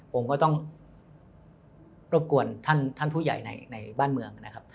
ผมก็ต้องรบกวนท่านผู้ใหญ่ในบ้านเมืองนะครับ